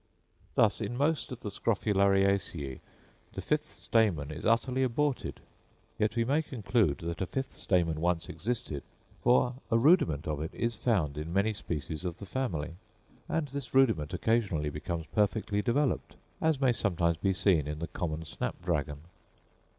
Thus in most of the Scrophulariaceæ the fifth stamen is utterly aborted; yet we may conclude that a fifth stamen once existed, for a rudiment of it is found in many species of the family, and this rudiment occasionally becomes perfectly developed, as may sometimes be seen in the common snap dragon.